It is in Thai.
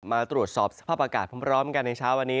มาตรวจสอบสภาพอากาศพร้อมกันในเช้าวันนี้